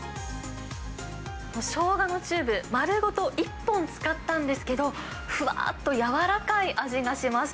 しょうがのチューブ丸ごと１本使ったんですけど、ふわっと柔らかい味がします。